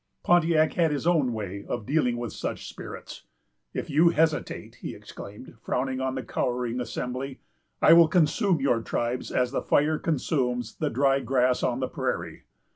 Pontiac had his own way of dealing with such spirits. "If you hesitate," he exclaimed, frowning on the cowering assembly, "I will consume your tribes as the fire consumes the dry grass on the prairie."